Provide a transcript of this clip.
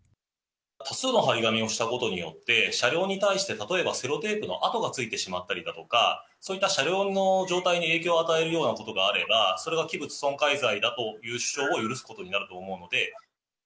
複数の貼り紙をしたことによって、車両に対して例えばセロテープの跡がついてしまったりだとか、そういった車両の状態に影響を与えるようなことがあれば、それは器物損壊罪だという主張を許すことになると思うので。